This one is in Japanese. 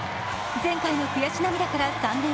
前回の悔し涙から３年。